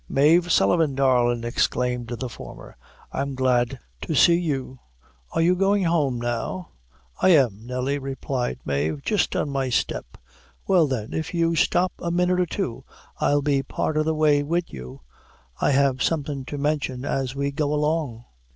"Mave Sullivan, darlin'," exclaimed the former, "I'm glad to see you. Are you goin' home, now?" "I am, Nelly," replied Mave, "jist on my step." "Well, thin, if you stop a minute or two, I'll be part o' the way wid you. I have somethin' to mention as we go along."